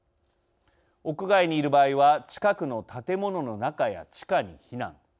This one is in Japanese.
屋外にいる場合は近くの建物の中や地下に避難。